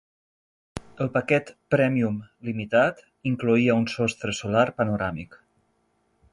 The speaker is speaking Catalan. El paquet "premium" limitat incloïa un sostre solar panoràmic.